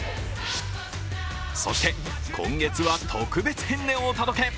そして、今月は特別編でお届け。